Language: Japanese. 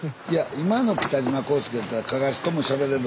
今の北島康介やったらかかしともしゃべれる。